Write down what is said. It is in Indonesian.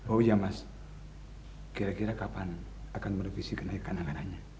oh iya mas kira kira kapan akan merevisi kenaikan anggarannya